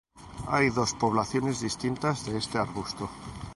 Hay dos poblaciones distintas de este arbusto.